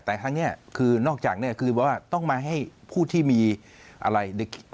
แต่ครั้งนี้คือนอกจากเนี่ยคือว่าต้องมาให้ผู้ที่มีอะไร